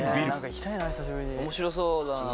面白そうだな